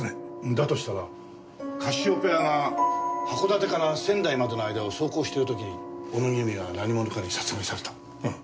だとしたらカシオペアが函館から仙台までの間を走行している時に小野木由美は何者かに殺害された。